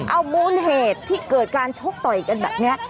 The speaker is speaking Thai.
เอามูลเหตุที่เกิดการชกต่อยกันแบบนี้